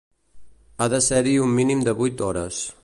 Ha de ser-hi un mínim de vuit hores.